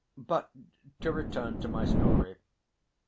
But to return to my story.